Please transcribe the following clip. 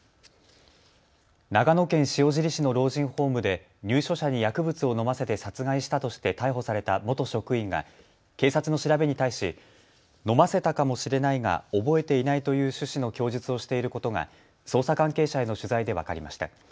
長野県塩尻市の老人ホームで入所者に薬物を飲ませて殺害したとして逮捕された元職員が警察の調べに対し、飲ませたかもしれないが覚えていないという趣旨の供述をしていることが捜査関係者への取材で分かりました。